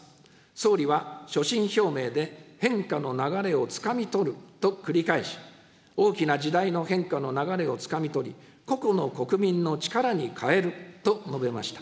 総理は所信表明で、変化の流れをつかみ取ると繰り返し、大きな時代の変化の流れをつかみ取り、個々の国民の力に変えると述べました。